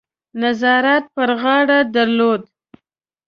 نظارت پر غاړه درلود.